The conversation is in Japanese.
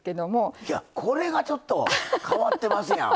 これがちょっと変わってますやん。